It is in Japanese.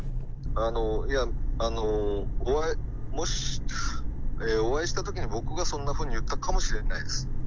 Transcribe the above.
あの、いや、あの、もしお会いしたときに僕がそんなふうに言ったかもしれないです。